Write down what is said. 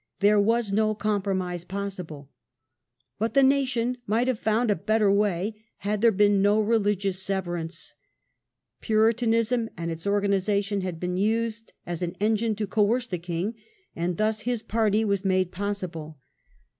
There was no compromise possible. But the nation might haVe found a better way had there been no religious severance. Puritanism and its organization had been used as an engine to coerce the king, and thus his party was made possible.